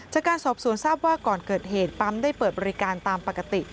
จากการสอบสวนทราบว่าก่อนเกิดเหตุปั๊มได้เปิดบริการตามปกติ